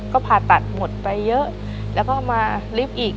ก็ผ่าตัดหมดไปเยอะแล้วก็มาลิฟต์อีก